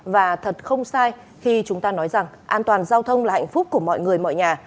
và thật không sai khi chúng ta nói rằng an toàn giao thông là hạnh phúc của mọi người mọi nhà